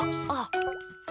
あっ。